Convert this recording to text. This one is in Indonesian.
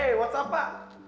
eh apa kabar pak